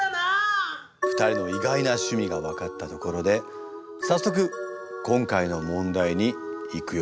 ２人の意外な趣味が分かったところで早速今回の問題にいくよ。